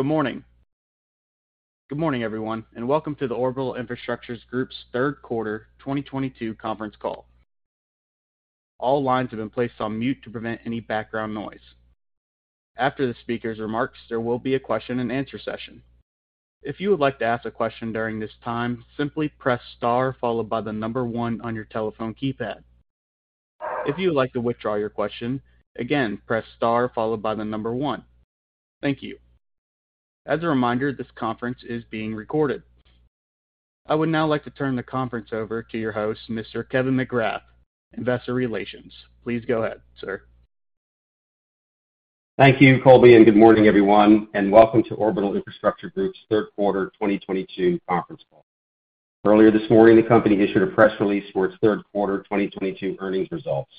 Good morning. Good morning, everyone, and welcome to the Orbital Infrastructure Group's third quarter 2022 conference call. All lines have been placed on mute to prevent any background noise. After the speaker's remarks, there will be a question-and-answer session. If you would like to ask a question during this time, simply press star followed by the number one on your telephone keypad. If you would like to withdraw your question, again, press star followed by the number one. Thank you. As a reminder, this conference is being recorded. I would now like to turn the conference over to your host, Mr. Kevin McGrath, Investor Relations. Please go ahead, sir. Thank you, Colby, and good morning, everyone, and welcome to Orbital Infrastructure Group's third quarter 2022 conference call. Earlier this morning, the company issued a press release for its third quarter 2022 earnings results.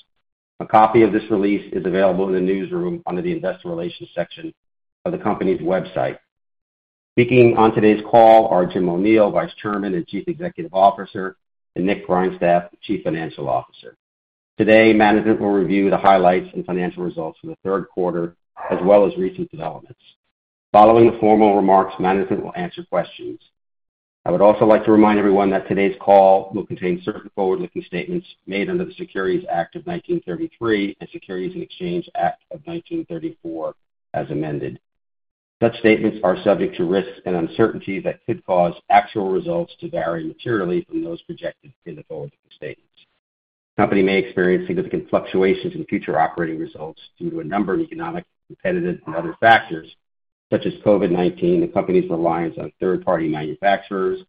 A copy of this release is available in the Newsroom under the Investor Relations section of the company's website. Speaking on today's call are Jim O'Neil, Vice Chairman and Chief Executive Officer, and Nick Grindstaff, Chief Financial Officer. Today, management will review the highlights and financial results for the third quarter as well as recent developments. Following the formal remarks, management will answer questions. I would also like to remind everyone that today's call will contain certain forward-looking statements made under the Securities Act of 1933 and Securities Exchange Act of 1934, as amended. Such statements are subject to risks and uncertainties that could cause actual results to vary materially from those projected in the forward-looking statements. The company may experience significant fluctuations in future operating results due to a number of economic, competitive, and other factors such as COVID-19, the company's reliance on third-party manufacturers,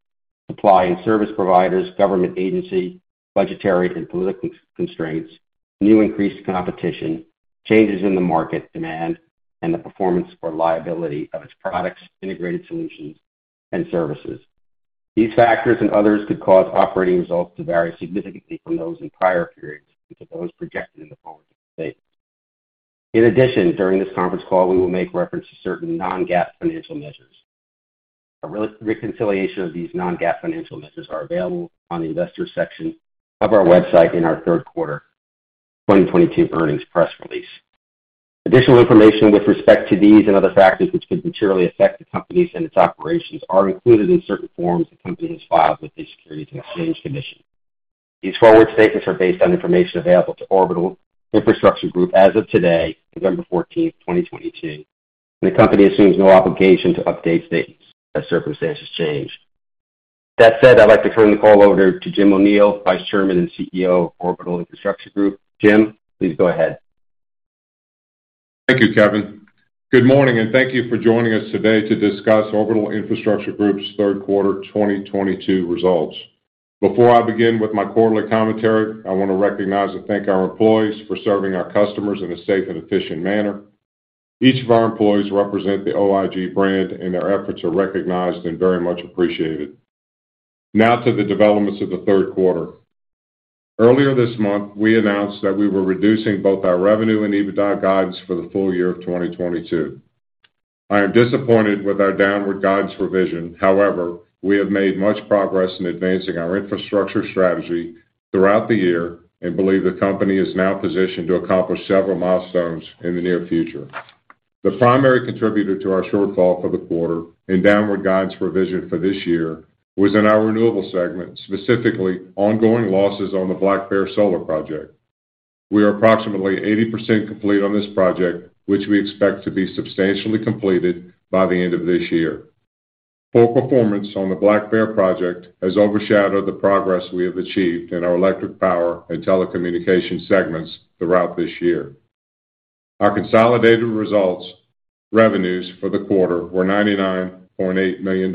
supply and service providers, government agency, budgetary and political constraints, new increased competition, changes in the market demand, and the performance or liability of its products, integrated solutions, and services. These factors and others could cause operating results to vary significantly from those in prior periods and to those projected in the forward-looking statements. In addition, during this conference call, we will make reference to certain non-GAAP financial measures. A reconciliation of these non-GAAP financial measures are available on the Investors section of our website in our third quarter 2022 earnings press release. Additional information with respect to these and other factors which could materially affect the company's and its operations are included in certain forms the company has filed with the Securities and Exchange Commission. These forward statements are based on information available to Orbital Infrastructure Group as of today, November fourteenth, twenty twenty-two. The company assumes no obligation to update statements as circumstances change. That said, I'd like to turn the call over to Jim O'Neil, Vice Chairman and CEO of Orbital Infrastructure Group. Jim, please go ahead. Thank you, Kevin. Good morning, and thank you for joining us today to discuss Orbital Infrastructure Group's third quarter 2022 results. Before I begin with my quarterly commentary, I want to recognize and thank our employees for serving our customers in a safe and efficient manner. Each of our employees represent the OIG brand, and their efforts are recognized and very much appreciated. Now to the developments of the third quarter. Earlier this month, we announced that we were reducing both our revenue and EBITDA guidance for the full year of 2022. I am disappointed with our downward guidance revision. However, we have made much progress in advancing our infrastructure strategy throughout the year and believe the company is now positioned to accomplish several milestones in the near future. The primary contributor to our shortfall for the quarter and downward guidance revision for this year was in our renewables segment, specifically ongoing losses on the Black Bear Solar project. We are approximately 80% complete on this project, which we expect to be substantially completed by the end of this year. Poor performance on the Black Bear project has overshadowed the progress we have achieved in our electric power and telecommunications segments throughout this year. Our consolidated revenues for the quarter were $99.8 million,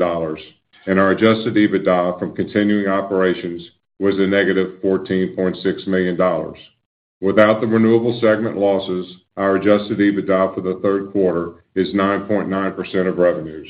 and our adjusted EBITDA from continuing operations was -$14.6 million. Without the renewable segment losses, our adjusted EBITDA for the third quarter is 9.9% of revenues.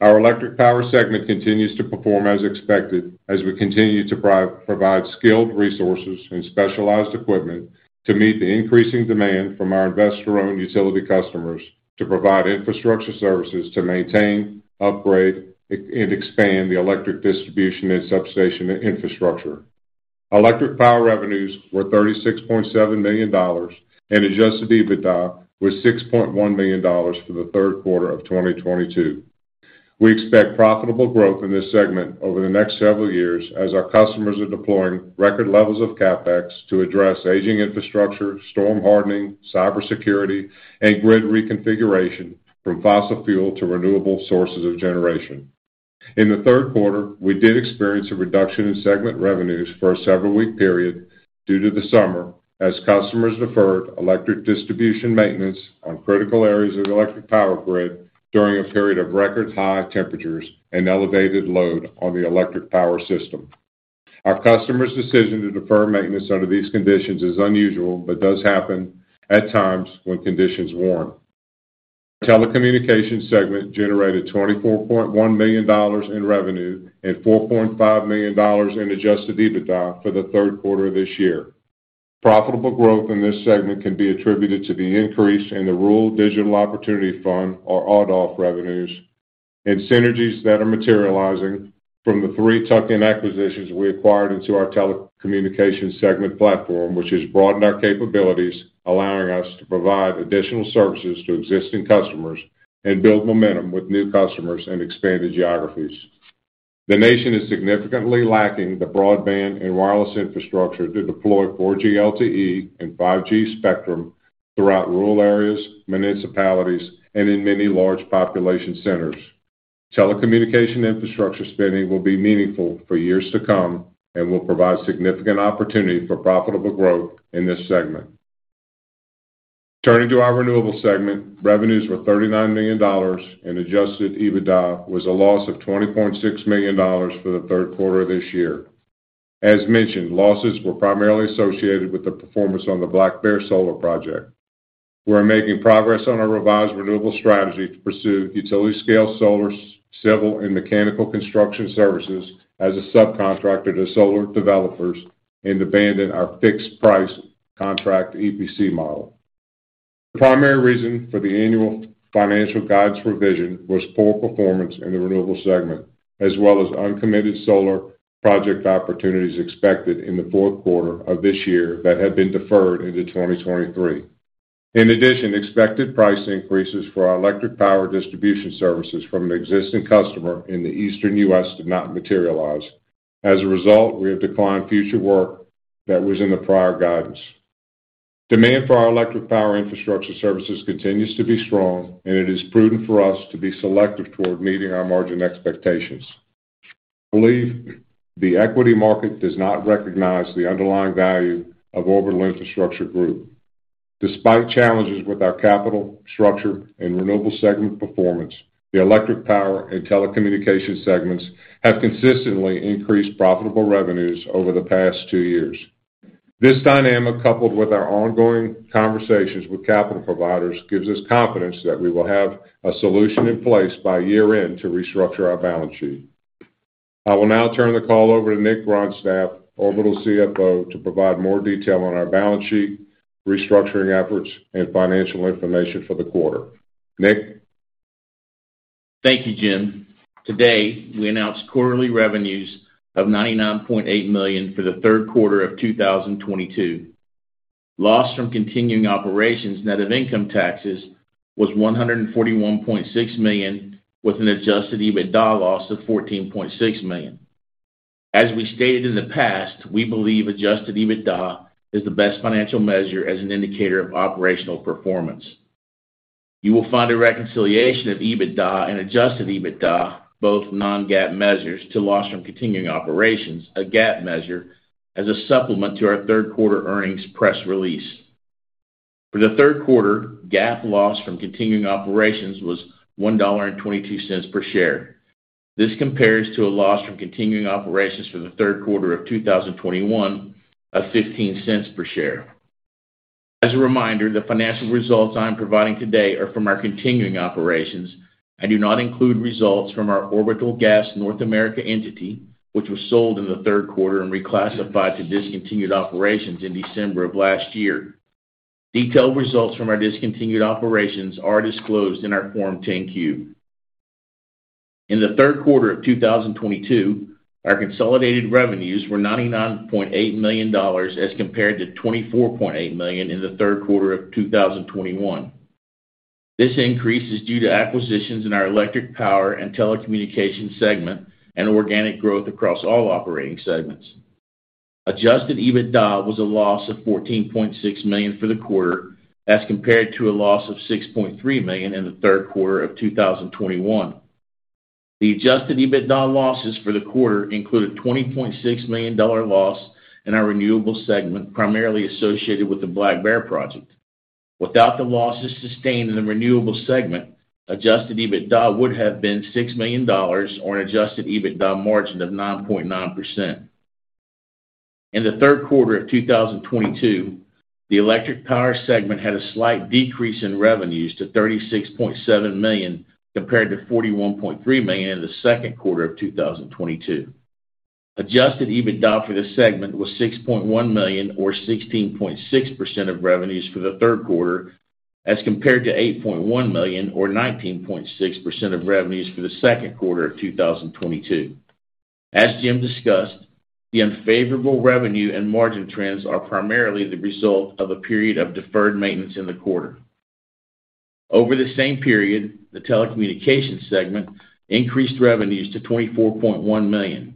Our electric power segment continues to perform as expected as we continue to provide skilled resources and specialized equipment to meet the increasing demand from our investor-owned utility customers to provide infrastructure services to maintain, upgrade, and expand the electric distribution and substation infrastructure. Electric power revenues were $36.7 million, and adjusted EBITDA was $6.1 million for the third quarter of 2022. We expect profitable growth in this segment over the next several years as our customers are deploying record levels of CapEx to address aging infrastructure, storm hardening, cybersecurity, and grid reconfiguration from fossil fuel to renewable sources of generation. In the third quarter, we did experience a reduction in segment revenues for a several week period due to the summer as customers deferred electric distribution maintenance on critical areas of the electric power grid during a period of record high temperatures and elevated load on the electric power system. Our customers' decision to defer maintenance under these conditions is unusual, but does happen at times when conditions warm. Telecommunications segment generated $24.1 million in revenue and $4.5 million in adjusted EBITDA for the third quarter of this year. Profitable growth in this segment can be attributed to the increase in the Rural Digital Opportunity Fund or RDOF revenues. Synergies that are materializing from the three tuck-in acquisitions we acquired into our telecommunications segment platform, which has broadened our capabilities, allowing us to provide additional services to existing customers and build momentum with new customers and expanded geographies. The nation is significantly lacking the broadband and wireless infrastructure to deploy 4G LTE and 5G spectrum throughout rural areas, municipalities, and in many large population centers. Telecommunications infrastructure spending will be meaningful for years to come and will provide significant opportunity for profitable growth in this segment. Turning to our renewables segment, revenues were $39 million and adjusted EBITDA was a loss of $20.6 million for the third quarter of this year. As mentioned, losses were primarily associated with the performance on the Black Bear Solar project. We're making progress on our revised renewable strategy to pursue utility-scale solar, civil, and mechanical construction services as a subcontractor to solar developers and abandon our fixed-price contract EPC model. The primary reason for the annual financial guidance revision was poor performance in the renewables segment, as well as uncommitted solar project opportunities expected in the fourth quarter of this year that have been deferred into 2023. In addition, expected price increases for our electric power distribution services from an existing customer in the Eastern U.S. did not materialize. As a result, we have declined future work that was in the prior guidance. Demand for our electric power infrastructure services continues to be strong, and it is prudent for us to be selective toward meeting our margin expectations. I believe the equity market does not recognize the underlying value of Orbital Infrastructure Group. Despite challenges with our capital structure and renewables segment performance, the electric power and telecommunications segments have consistently increased profitable revenues over the past two years. This dynamic, coupled with our ongoing conversations with capital providers, gives us confidence that we will have a solution in place by year-end to restructure our balance sheet. I will now turn the call over to Nick Grindstaff, Orbital's CFO, to provide more detail on our balance sheet, restructuring efforts, and financial information for the quarter. Nick? Thank you, Jim. Today, we announced quarterly revenues of $99.8 million for the third quarter of 2022. Loss from continuing operations net of income taxes was $141.6 million, with an adjusted EBITDA loss of $14.6 million. As we stated in the past, we believe adjusted EBITDA is the best financial measure as an indicator of operational performance. You will find a reconciliation of EBITDA and adjusted EBITDA, both non-GAAP measures, to loss from continuing operations, a GAAP measure, as a supplement to our third quarter earnings press release. For the third quarter, GAAP loss from continuing operations was $1.22 per share. This compares to a loss from continuing operations for the third quarter of 2021 of $0.15 per share. As a reminder, the financial results I am providing today are from our continuing operations and do not include results from our Orbital Gas Systems North America Inc. entity, which was sold in the third quarter and reclassified to discontinued operations in December of last year. Detailed results from our discontinued operations are disclosed in our Form 10-Q. In the third quarter of 2022, our consolidated revenues were $99.8 million as compared to $24.8 million in the third quarter of 2021. This increase is due to acquisitions in our electric power and telecommunications segment and organic growth across all operating segments. Adjusted EBITDA was a loss of $14.6 million for the quarter as compared to a loss of $6.3 million in the third quarter of 2021. The adjusted EBITDA losses for the quarter included a $20.6 million loss in our renewables segment, primarily associated with the Black Bear project. Without the losses sustained in the renewables segment, adjusted EBITDA would have been $6 million or an adjusted EBITDA margin of 9.9%. In the third quarter of 2022, the electric power segment had a slight decrease in revenues to $36.7 million compared to $41.3 million in the second quarter of 2022. Adjusted EBITDA for this segment was $6.1 million or 16.6% of revenues for the third quarter as compared to $8.1 million or 19.6% of revenues for the second quarter of 2022. As Jim discussed, the unfavorable revenue and margin trends are primarily the result of a period of deferred maintenance in the quarter. Over the same period, the telecommunications segment increased revenues to $24.1 million,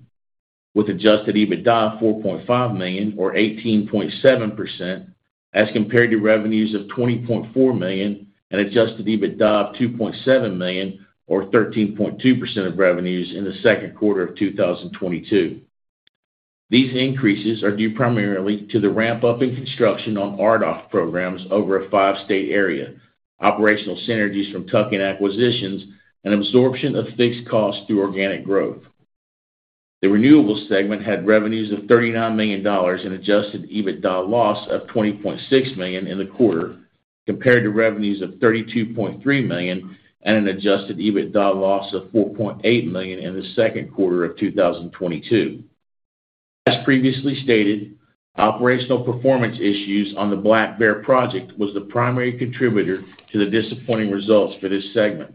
with adjusted EBITDA of $4.5 million or 18.7% as compared to revenues of $20.4 million and adjusted EBITDA of $2.7 million or 13.2% of revenues in the second quarter of 2022. These increases are due primarily to the ramp-up in construction on RDOF programs over a five-state area, operational synergies from tuck-in acquisitions, and absorption of fixed costs through organic growth. The renewables segment had revenues of $39 million and adjusted EBITDA loss of $20.6 million in the quarter, compared to revenues of $32.3 million and an adjusted EBITDA loss of $4.8 million in the second quarter of 2022. As previously stated, operational performance issues on the Black Bear project was the primary contributor to the disappointing results for this segment.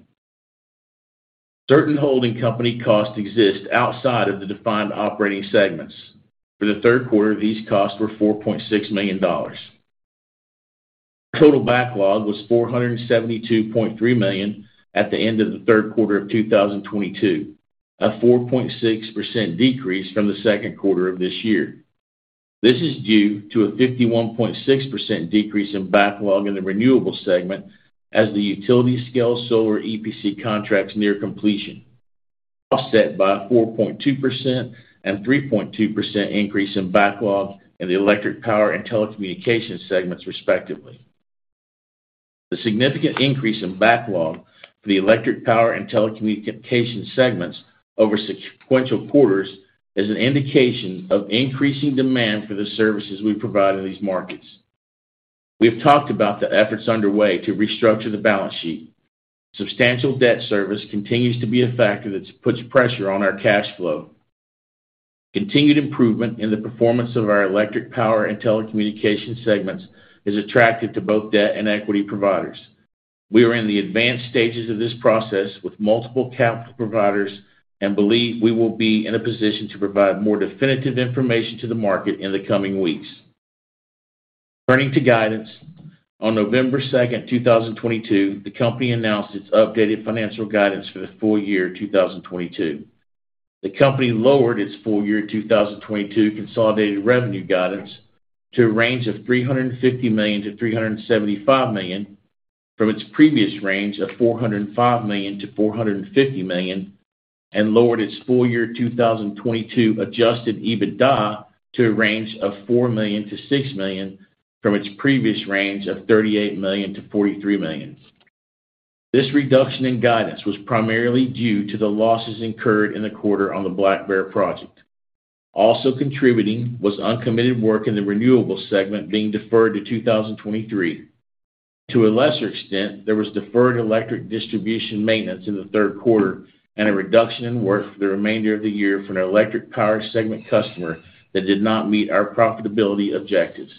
Certain holding company costs exist outside of the defined operating segments. For the third quarter, these costs were $4.6 million. Total backlog was $472.3 million at the end of the third quarter of 2022, a 4.6% decrease from the second quarter of this year. This is due to a 51.6% decrease in backlog in the renewable segment as the utility scale solar EPC contracts near completion, offset by a 4.2% and 3.2% increase in backlog in the electric power and telecommunications segments, respectively. The significant increase in backlog for the electric power and telecommunications segments over sequential quarters is an indication of increasing demand for the services we provide in these markets. We have talked about the efforts underway to restructure the balance sheet. Substantial debt service continues to be a factor that puts pressure on our cash flow. Continued improvement in the performance of our electric power and telecommunications segments is attractive to both debt and equity providers. We are in the advanced stages of this process with multiple capital providers and believe we will be in a position to provide more definitive information to the market in the coming weeks. Turning to guidance, on November 2, 2022, the company announced its updated financial guidance for the full year 2022. The company lowered its full year 2022 consolidated revenue guidance to a range of $350 million-$375 million from its previous range of $405 million-$450 million, and lowered its full year 2022 adjusted EBITDA to a range of $4 million-$6 million from its previous range of $38 million-$43 million. This reduction in guidance was primarily due to the losses incurred in the quarter on the Black Bear project. Also contributing was uncommitted work in the renewables segment being deferred to 2023. To a lesser extent, there was deferred electric distribution maintenance in the third quarter and a reduction in work for the remainder of the year for an electric power segment customer that did not meet our profitability objectives.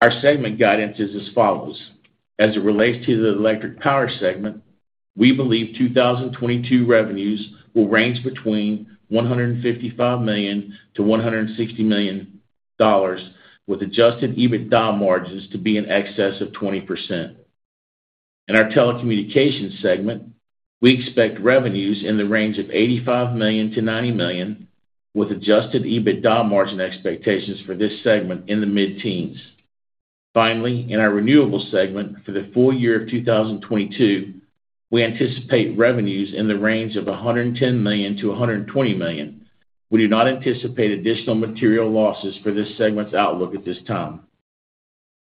Our segment guidance is as follows. As it relates to the electric power segment, we believe 2022 revenues will range between $155 million-$160 million with adjusted EBITDA margins to be in excess of 20%. In our telecommunications segment, we expect revenues in the range of $85 million-$90 million, with adjusted EBITDA margin expectations for this segment in the mid-teens. Finally, in our renewables segment for the full year of 2022, we anticipate revenues in the range of $110 million-$120 million. We do not anticipate additional material losses for this segment's outlook at this time.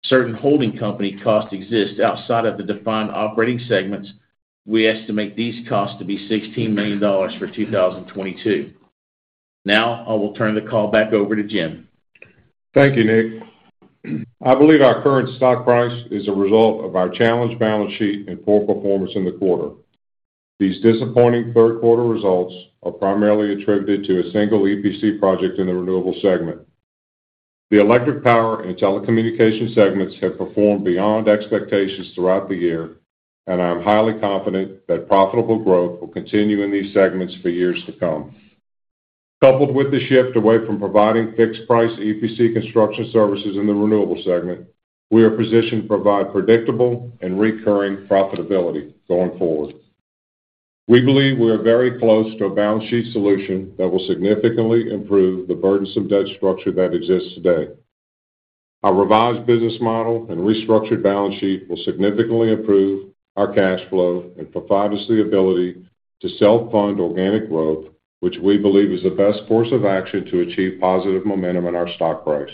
Certain holding company costs exist outside of the defined operating segments. We estimate these costs to be $16 million for 2022. Now I will turn the call back over to Jim. Thank you, Nick. I believe our current stock price is a result of our challenged balance sheet and poor performance in the quarter. These disappointing third quarter results are primarily attributed to a single EPC project in the renewable segment. The electric power and telecommunications segments have performed beyond expectations throughout the year, and I'm highly confident that profitable growth will continue in these segments for years to come. Coupled with the shift away from providing fixed-price EPC construction services in the renewables segment, we are positioned to provide predictable and recurring profitability going forward. We believe we are very close to a balance sheet solution that will significantly improve the burdensome debt structure that exists today. Our revised business model and restructured balance sheet will significantly improve our cash flow and provide us the ability to self-fund organic growth, which we believe is the best course of action to achieve positive momentum in our stock price.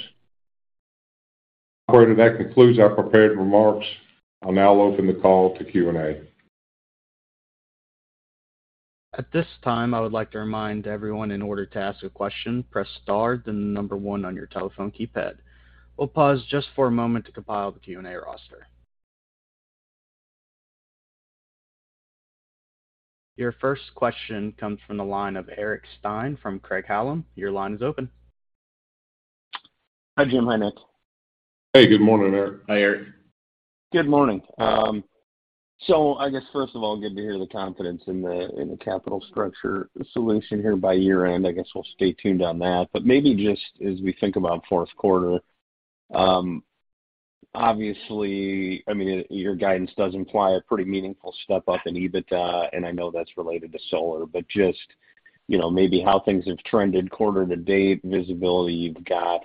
Operator, that concludes our prepared remarks. I'll now open the call to Q&A. At this time, I would like to remind everyone, in order to ask a question, press star, then the number one on your telephone keypad. We'll pause just for a moment to compile the Q&A roster. Your first question comes from the line of Eric Stine from Craig-Hallum. Your line is open. Hi, Jim. Hi, Nick. Hey, good morning, Eric. Hi, Eric. Good morning. I guess first of all, good to hear the confidence in the capital structure solution here by year-end. I guess we'll stay tuned on that, but maybe just as we think about fourth quarter, obviously, I mean, your guidance does imply a pretty meaningful step up in EBITDA, and I know that's related to solar, but just, you know, maybe how things have trended quarter to date, visibility you've got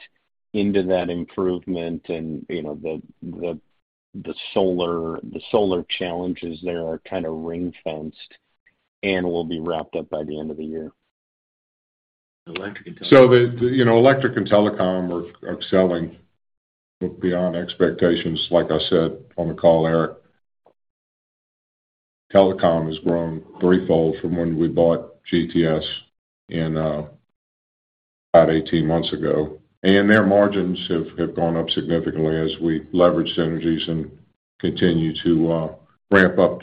into that improvement and, you know, the solar challenges there are kind of ring-fenced and will be wrapped up by the end of the year. The electric and telecom are selling beyond expectations. Like I said on the call, Eric, telecom has grown threefold from when we bought GTS in about 18 months ago. Their margins have gone up significantly as we leveraged synergies and continue to ramp up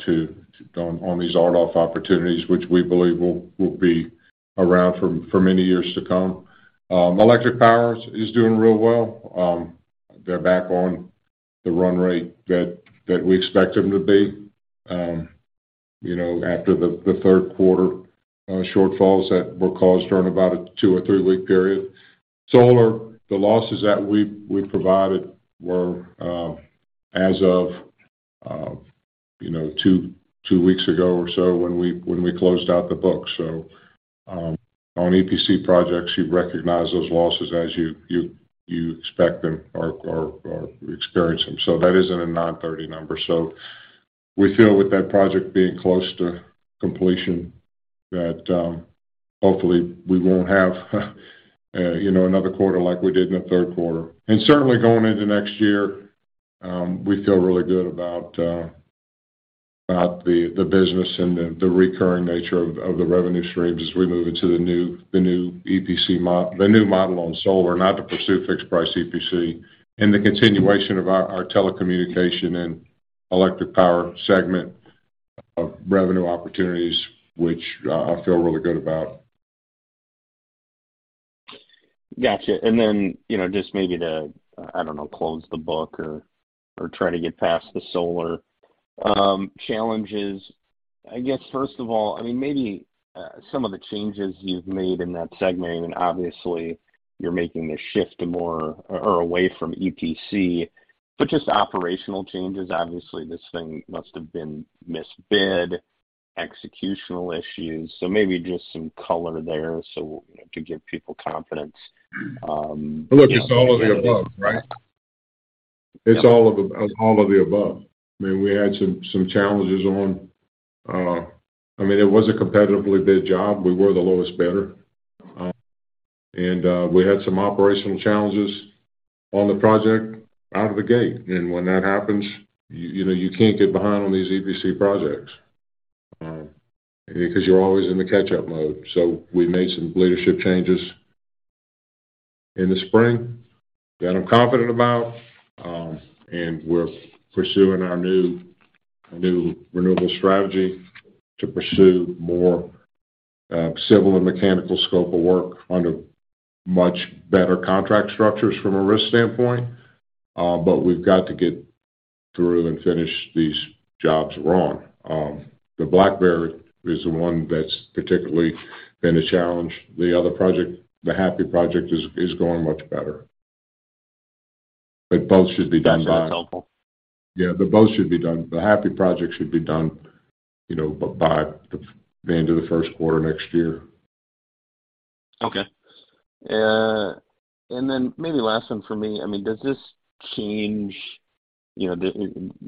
on these RDOF opportunities, which we believe will be around for many years to come. Electric power is doing real well. They're back on the run rate that we expect them to be after the third quarter shortfalls that were caused during about a 2-week or 3-week period. Solar, the losses that we provided were as of 2 weeks ago or so when we closed out the books. On EPC projects, you recognize those losses as you expect them or experience them. That isn't a nine-thirty number. We feel with that project being close to completion, that hopefully we won't have you know, another quarter like we did in the third quarter. Certainly going into next year, we feel really good about the business and the recurring nature of the revenue streams as we move into the new model on solar, not to pursue fixed price EPC. The continuation of our telecommunications and electric power segment of revenue opportunities, which I feel really good about. Got you. Then, you know, just maybe to, I don't know, close the book or try to get past the solar challenges. I guess, first of all, I mean, maybe some of the changes you've made in that segment, and obviously you're making a shift to more or away from EPC, but just operational changes. Obviously, this thing must have been misbid, executional issues. Maybe just some color there so, you know, to give people confidence. Look, it's all of the above, right? It's all of the above. I mean, we had some challenges. I mean, it was a competitively bid job. We were the lowest bidder. We had some operational challenges on the project out of the gate. When that happens, you know, you can't get behind on these EPC projects because you're always in the catch-up mode. We made some leadership changes in the spring that I'm confident about. We're pursuing our new renewable strategy to pursue more civil and mechanical scope of work under much better contract structures from a risk standpoint. We've got to get through and finish these jobs we're on. The Black Bear is the one that's particularly been a challenge. The other project, the HAPI project is going much better. They both should be done by. That's helpful. Yeah, both should be done. The HAPI project should be done, you know, by the end of the first quarter next year. Okay. Maybe last one for me. I mean, does this change, you know,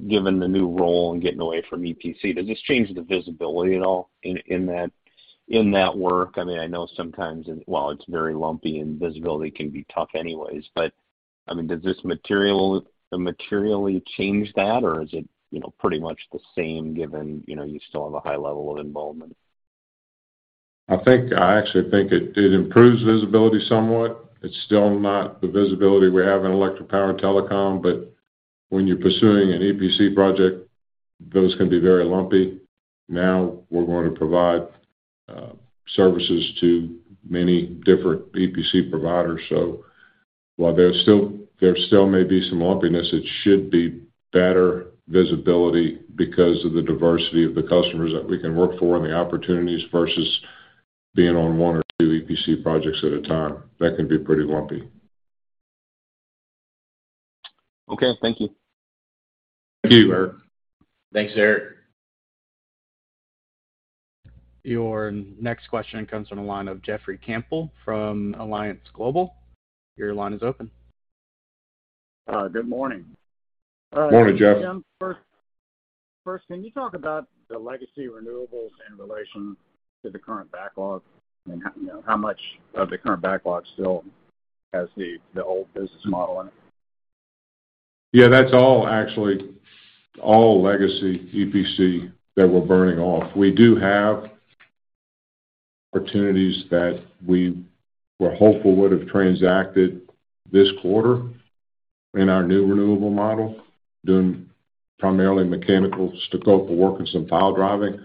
given the new role in getting away from EPC, does this change the visibility at all in that, in that work? I mean, I know sometimes and while it's very lumpy and visibility can be tough anyways, but, I mean, does this materially change that, or is it, you know, pretty much the same given, you know, you still have a high level of involvement? I think I actually think it improves visibility somewhat. It's still not the visibility we have in electric power and telecom, but when you're pursuing an EPC project, those can be very lumpy. Now, we're going to provide services to many different EPC providers. While there still may be some lumpiness, it should be better visibility because of the diversity of the customers that we can work for and the opportunities versus being on one or two EPC projects at a time. That can be pretty lumpy. Okay. Thank you. Thank you. Thanks, Eric. Your next question comes from the line of Jeffrey Campbell from Alliance Global. Your line is open. Good morning. Morning, Jeff. First, can you talk about the legacy renewables in relation to the current backlog and how, you know, how much of the current backlog still has the old business model in it? Yeah, that's all actually legacy EPC that we're burning off. We do have opportunities that we were hopeful would have transacted this quarter in our new renewable model, doing primarily mechanical scope of work and some pile driving.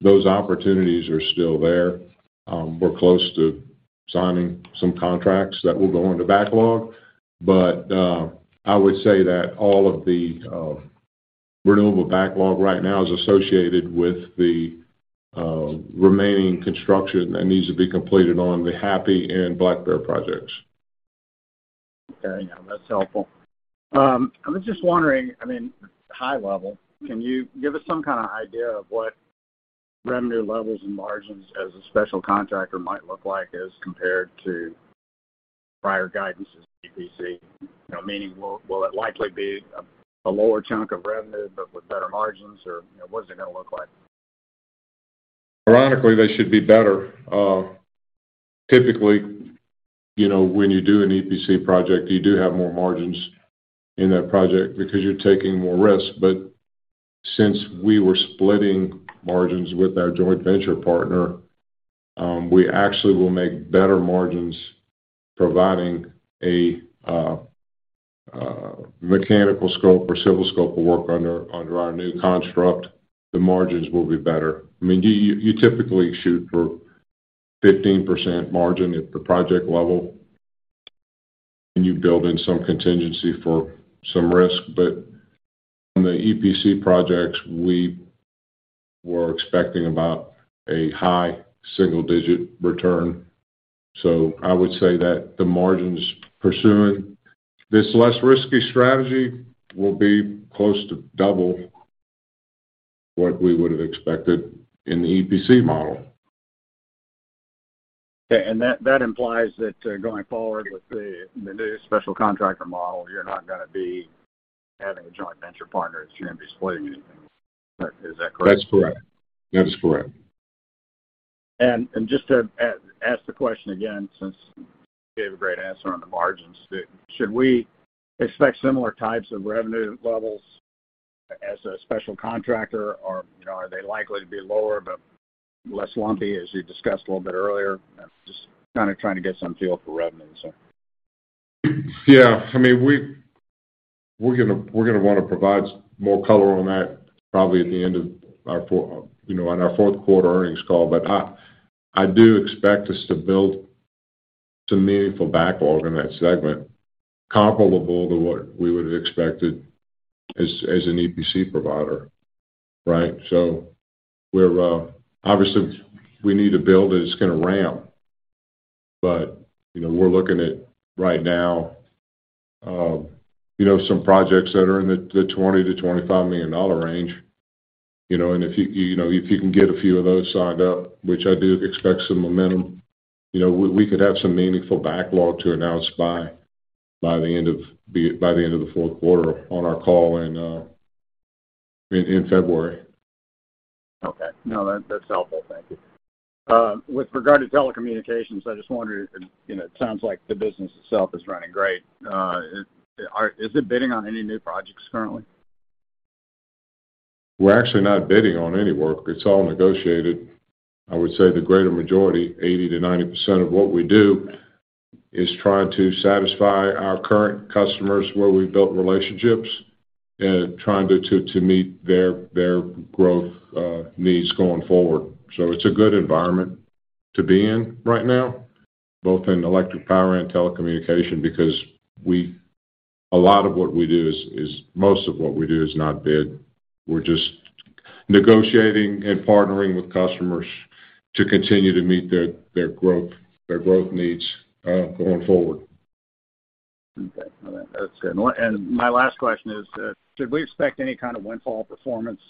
Those opportunities are still there. We're close to signing some contracts that will go into backlog. I would say that all of the renewable backlog right now is associated with the remaining construction that needs to be completed on the HAPI and Black Bear projects. Okay. That's helpful. I was just wondering, I mean, high level, can you give us some kind of idea of what revenue levels and margins as a special contractor might look like as compared to prior guidance as EPC? You know, meaning will it likely be a lower chunk of revenue but with better margins or, you know, what is it gonna look like? Ironically, they should be better. Typically, you know, when you do an EPC project, you do have more margins in that project because you're taking more risk. Since we were splitting margins with our joint venture partner, we actually will make better margins providing a mechanical scope or civil scope of work under our new construct, the margins will be better. I mean, you typically shoot for 15% margin at the project level, and you build in some contingency for some risk. On the EPC projects, we were expecting about a high single-digit return. I would say that the margins pursuing this less risky strategy will be close to double what we would have expected in the EPC model. Okay. That implies that, going forward with the new special contractor model, you're not gonna be having a joint venture partner that you're gonna be splitting. Is that correct? That's correct. That is correct. just to ask the question again, since you gave a great answer on the margins. Should we expect similar types of revenue levels as a special contractor or, you know, are they likely to be lower but less lumpy, as you discussed a little bit earlier? Just kinda trying to get some feel for revenue, so. Yeah. I mean, we're gonna wanna provide more color on that probably at the end of our fourth quarter earnings call. You know, on our fourth quarter earnings call. I do expect us to build some meaningful backlog in that segment comparable to what we would have expected as an EPC provider, right? Obviously, we need to build, it's gonna ramp. You know, we're looking at right now you know, some projects that are in the $20-$25 million range, you know. If you know, if you can get a few of those signed up, which I do expect some momentum, you know, we could have some meaningful backlog to announce by the end of the fourth quarter on our call in February. Okay. No, that's helpful. Thank you. With regard to telecommunications, I just wondered, you know, it sounds like the business itself is running great. Is it bidding on any new projects currently? We're actually not bidding on any work. It's all negotiated. I would say the greater majority, 80%-90% of what we do is trying to satisfy our current customers where we've built relationships, trying to meet their growth needs going forward. It's a good environment to be in right now, both in electric power and telecommunications, because most of what we do is not bid. We're just negotiating and partnering with customers to continue to meet their growth needs going forward. Okay. All right. That's good. My last question is, should we expect any kind of windfall performance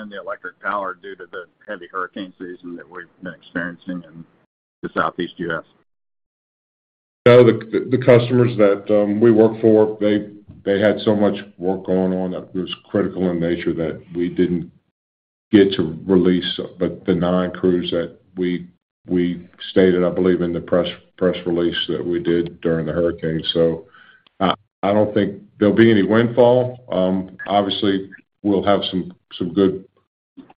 in the electric power due to the heavy hurricane season that we've been experiencing in the Southeast U.S.? No, the customers that we work for, they had so much work going on that was critical in nature that we didn't get to release the 9 crews that we stated, I believe, in the press release that we did during the hurricane. I don't think there'll be any windfall. Obviously we'll have some good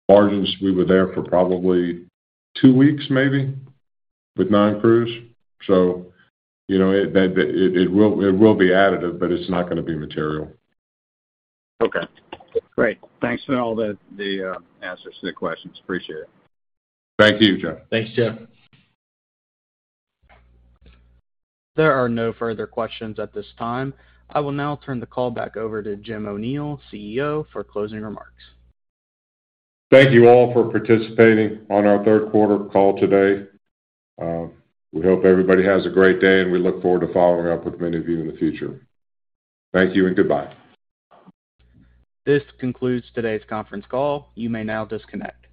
margins. We were there for probably 2 weeks maybe with 9 crews. You know, it will be additive, but it's not gonna be material. Okay, great. Thanks for all the answers to the questions. Appreciate it. Thank you, Jeff. Thanks, Jeff. There are no further questions at this time. I will now turn the call back over to Jim O'Neil, CEO, for closing remarks. Thank you all for participating on our third quarter call today. We hope everybody has a great day, and we look forward to following up with many of you in the future. Thank you and goodbye. This concludes today's conference call. You may now disconnect.